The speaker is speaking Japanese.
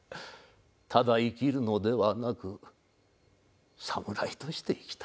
ただ生きるのではなく侍として生きたい。